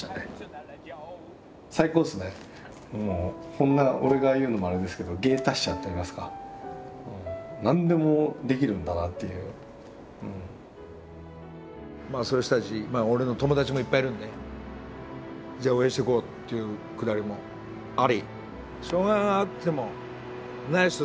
こんな俺が言うのもあれですけどそういう人たち俺の友達もいっぱいいるんでじゃあ応援していこうっていうくだりもあり。